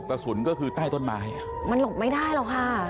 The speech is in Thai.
พวกมันกลับมาเมื่อเวลาที่สุดพวกมันกลับมาเมื่อเวลาที่สุด